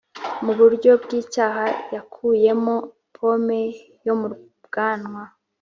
mu buryo bw'icyaha yakuyemo pome yo mu bwanwa,